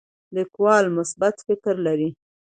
لیکوال مثبت فکر لري.